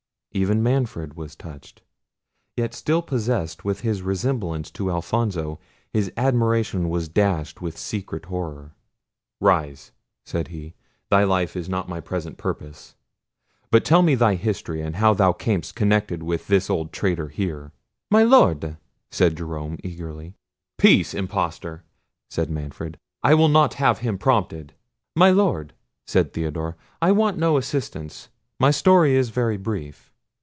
Even Manfred was touched—yet still possessed with his resemblance to Alfonso, his admiration was dashed with secret horror. "Rise," said he; "thy life is not my present purpose. But tell me thy history, and how thou camest connected with this old traitor here." "My Lord," said Jerome eagerly. "Peace! impostor!" said Manfred; "I will not have him prompted." "My Lord," said Theodore, "I want no assistance; my story is very brief.